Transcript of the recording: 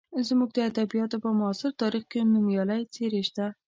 زموږ د ادبیاتو په معاصر تاریخ کې نومیالۍ څېرې شته.